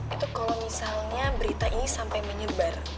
itu kalau misalnya berita ini sampai menyebar